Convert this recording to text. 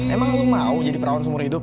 emang aku mau jadi perawan seumur hidup